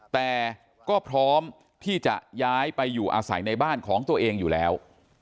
แต่ก็พร้อมที่จะย้ายไปอยู่อาศัยในบ้านของตัวเองอยู่แล้ว